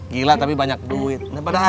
gila tapi banyak duit